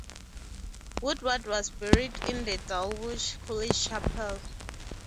Woodward was buried in the Dulwich College Chapel.